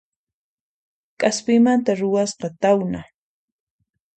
K'aspimanta ruwasqa tawna